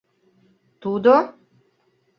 Тудо...